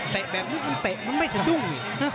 เตะแบบนี้มันไม่ให้ดุง